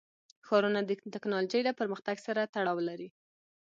ښارونه د تکنالوژۍ له پرمختګ سره تړاو لري.